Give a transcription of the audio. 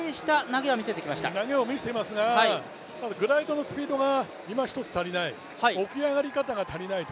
投げを見せていますが、グライドのスピードが今１つ足りない。